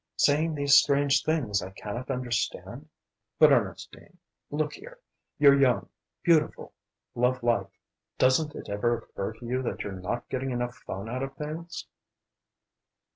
Saying these strange things I cannot understand?" "But, Ernestine look here! You're young beautiful love life. Doesn't it ever occur to you that you're not getting enough fun out of things?"